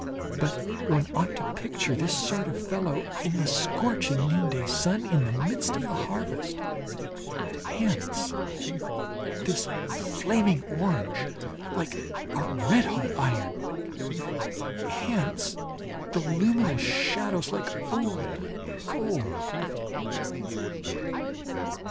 But one ought to picture this sort of fellow in the scorching noonday sun, in the midst of the harvest. Hence this flaming orange, like a red hot iron; hence the luminous shadows like old gold.